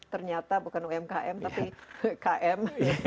ternyata bukan umkm tapi umkm